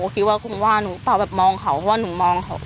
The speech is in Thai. ก็คงว่าหนูเปล่าแบบมองเขาเพราะว่าหนูมองเขาตอนนั้น